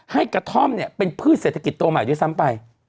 กระท่อมเนี่ยเป็นพืชเศรษฐกิจตัวใหม่ด้วยซ้ำไป